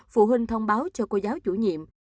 phụ huynh thông báo cho cô giáo chủ nhiệm